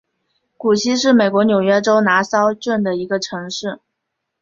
谷溪是美国纽约州拿骚郡的一个城市。